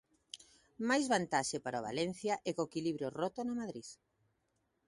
Máis vantaxe para o Valencia e co equilibro roto no Madrid.